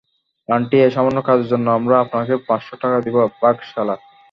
Aunty, এই সামান্য কাজের জন্য আমরা আপনাকে পাঁচশ টাকা দিব-- ভাগ, শালা।